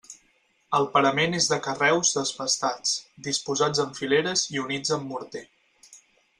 El parament és de carreus desbastats, disposats en fileres i units amb morter.